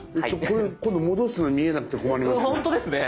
これ今度戻すのに見えなくて困りますね。